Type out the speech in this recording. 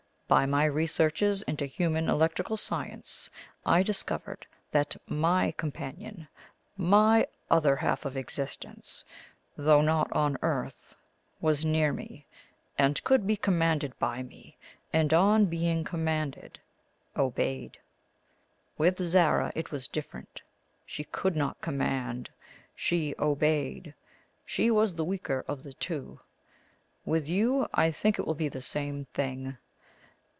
By my researches into human electrical science, I discovered that MY companion, MY other half of existence, though not on earth, was near me, and could be commanded by me; and, on being commanded, obeyed. With Zara it was different. She could not COMMAND she OBEYED; she was the weaker of the two. With you, I think it will be the same thing.